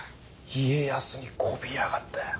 家康に媚びやがったよ。